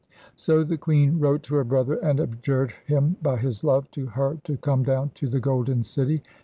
_ So the queen wrote to her brother, and adjured him by his love to her to come down to the Golden City.